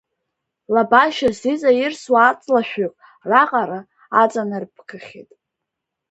Лабашьас иҵаирсуа аҵла шәҩык раҟара аҵанарбгахьеит.